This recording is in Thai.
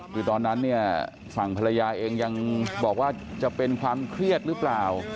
คือตอนนั้นเนี่ยฝั่งภรรยาเองยังบอกว่าจะเป็นความเครียดหรือเปล่า